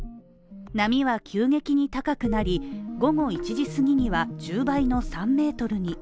波は急激に高くなり、午後１時すぎには１０倍の３ｍに。